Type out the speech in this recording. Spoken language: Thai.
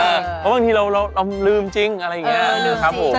เพราะบางทีเราลืมจริงอะไรอย่างนี้ครับผม